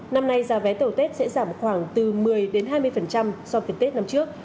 năm nay giá vé tàu tết sẽ giảm khoảng từ một mươi hai mươi so với tết năm trước